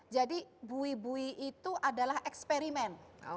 jadi bui bui itu adalah eksperimen